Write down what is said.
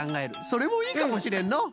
それもいいかもしれんのう。